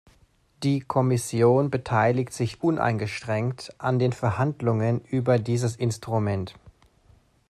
Die Kommission beteiligt sich uneingeschränkt an den Verhandlungen über dieses Instrument.